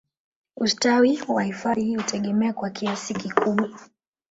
Ustawi wa hifadhi hii hutegemea kwa kiasi kikubwa